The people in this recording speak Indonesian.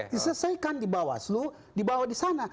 disesaikan di bawaslu dibawa disana